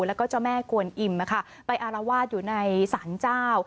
แล้วก็เจ้าแม่กวนอิ่มไปอารวาสอยู่ในสารเจ้า